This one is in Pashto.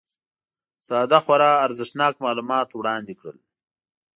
ساده خورا ارزښتناک معلومات وړاندي کړل